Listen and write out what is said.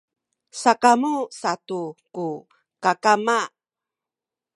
sakamu satu ku kakama